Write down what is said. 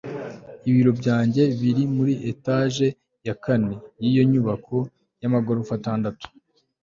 ibiro byanjye biri muri etage ya kane yiyo nyubako yamagorofa atandatu